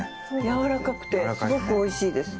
軟らかくてすごくおいしいです。